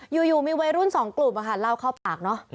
อยู่มีวัยรุ่นสองกลุ่มเล่าเข้าปากเนอะ